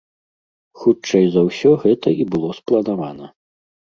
Хутчэй за ўсё гэта і было спланавана.